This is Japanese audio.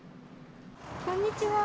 こんにちは。